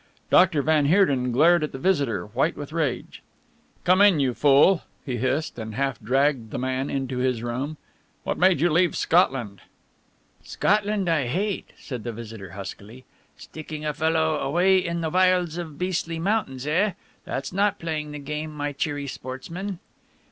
Dr. van Heerden glared at the visitor, white with rage. "Come in, you fool!" he hissed, and half dragged the man into his room, "what made you leave Scotland?" "Scotland I hate!" said the visitor huskily. "Sticking a fellow away in the wilds of the beastly mountains, eh? That's not playing the game, my cheery sportsman."